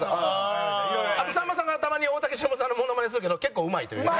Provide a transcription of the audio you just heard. あとさんまさんがたまに大竹しのぶさんのモノマネするけど結構うまいというね。